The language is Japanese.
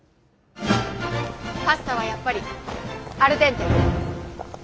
パスタはやっぱりアルデンテ。